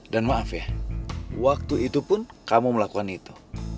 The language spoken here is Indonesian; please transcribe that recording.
dan maaf ya waktu itu pun kamu melakukan itu